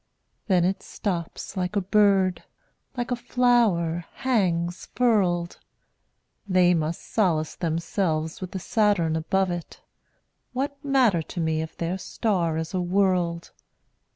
Then it stops like a bird; like a flower, hangs furled: 10 They must solace themselves with the Saturn above it. What matter to me if their star is a world?